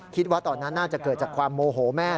คิดว่าตอนนั้นน่าจะเกิดจากความโมโหแม่